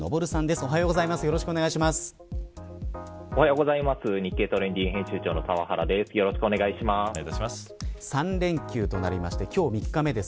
おはようございます。